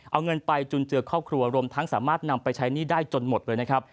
เอาเงินไปจุนเจือครอบครัวรวมทั้งสามารถนำไปใช้หนี้ได้จนหมดเลยนะครับ